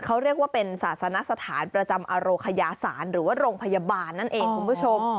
เขาเรียกว่าเป็นศาสนสถานประจำอโรคยาศาสตร์หรือว่าโรงพยาบาลนั่นเองคุณผู้ชม